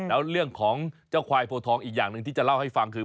แล้วเรื่องของเจ้าควายโพทองอีกอย่างหนึ่งที่จะเล่าให้ฟังคือ